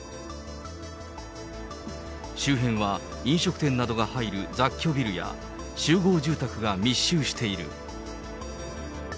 周辺は飲食店などが入る雑居ビルや、集合住宅が密集している。